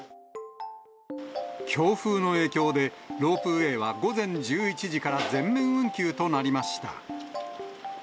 強風の影響で、ロープウェイは午前１１時から全面運休となりました。